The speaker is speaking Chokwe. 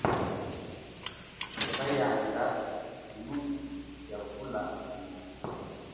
Twanyanga kulutwe lia vula kunoka.